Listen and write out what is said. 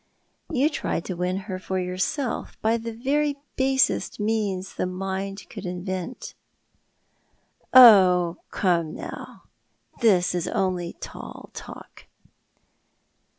" You tried to win her for yourself by the very basest means the human mind could invent." " Oh, come, now, this is only tall talk."